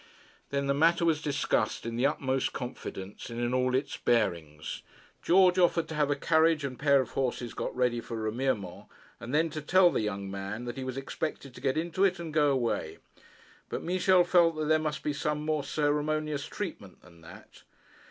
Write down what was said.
Then the matter was discussed in the utmost confidence, and in all its bearings. George offered to have a carriage and pair of horses got ready for Remiremont, and then to tell the young man that he was expected to get into it, and go away; but Michel felt that there must be some more ceremonious treatment than that.